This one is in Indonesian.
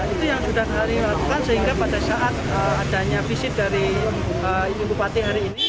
itu yang sudah kami lakukan sehingga pada saat adanya visit dari ibu bupati hari ini